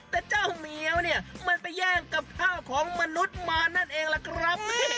แต่เจ้าเหมียวเนี่ยมันไปแย่งกับข้าวของมนุษย์มานั่นเองล่ะครับ